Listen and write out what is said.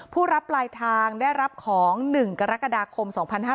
ผู้รับปลายทางได้รับของ๑กรกฎาคม๒๕๕๙